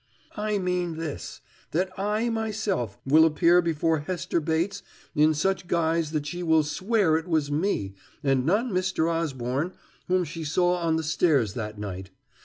"I mean this that I, myself, will appear before Hester Bates in such guise that she will swear it was me, and not Mr. Osborne, whom she saw on the stairs that night.